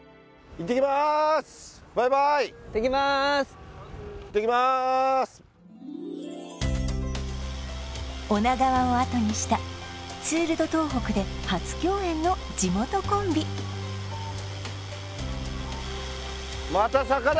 行ってきまーす女川をあとにしたツール・ド・東北で初共演の地元コンビまた坂だ